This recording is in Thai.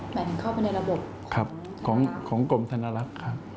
หมายถึงเข้าไปในระบบของกลมธนารักษ์